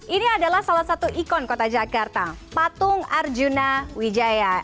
ini adalah salah satu ikon kota jakarta patung arjuna wijaya